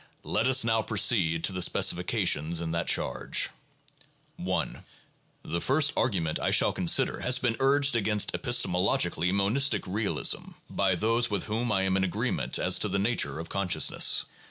Let us now proceed to the specifications in that charge. I. The first argument I shall consider has been urged against epistemologically monistic realism by those with whom I am in agreement as to the nature of consciousness.